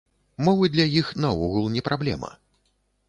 Мовы для іх наогул не праблема.